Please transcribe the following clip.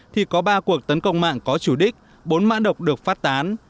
thì có ba cuộc tấn công mạng có chủ đích bốn mã độc được phát tán